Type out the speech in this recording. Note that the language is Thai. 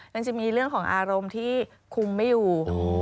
มันจะมีเรื่องของอารมณ์ที่คุมไม่อยู่